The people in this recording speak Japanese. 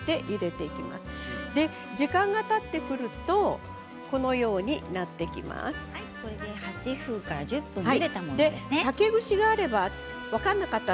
時間がたってくると８分から１０分ゆでたものですね。